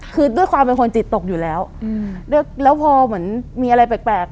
คือด้วยความเป็นคนจิตตกอยู่แล้วแล้วพอเหมือนมีอะไรแปลก